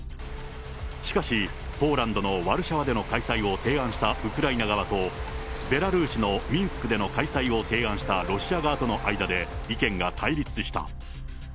しかし、ポーランドのワルシャワでの開催を提案したウクライナ側と、ベラルーシのミンスクでの開催を提案したロシア側との間で意見が対立した。